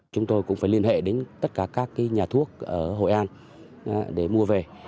chúng tôi cũng phải liên hệ đến tất cả các nhà thuốc ở hội an để mua về